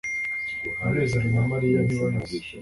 munezero na mariya ntibabizi